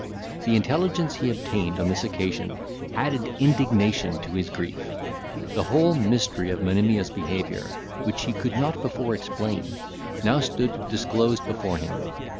The intelligence he obtained on this occasion added indignation to his grief. The whole mystery of Monimia's behaviour, which he could not before explain, now stood disclosed before him.